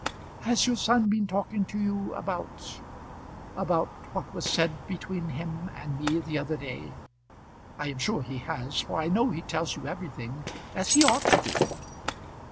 "Has your son been talking to you about about what was said between him and me the other day? I am sure he has, for I know he tells you everything, as he ought to do."